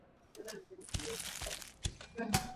maafisa wa usalama wamewarushia mabomu ya machozi